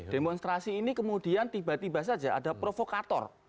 demonstrasi ini kemudian tiba tiba saja ada provokator